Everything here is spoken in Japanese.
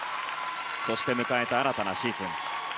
そして迎えた新たなシーズン。